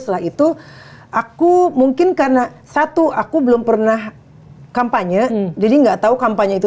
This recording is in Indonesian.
setelah itu aku mungkin karena satu aku belum pernah kampanye jadi enggak tahu kampanye itu